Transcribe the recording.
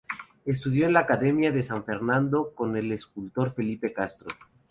Estudió en la Academia de San Fernando con el escultor Felipe de Castro.